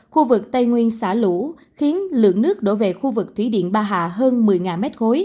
khu vực tây nguyên xả lũ khiến lượng nước đổ về khu vực thủy điện ba hạ hơn một mươi m ba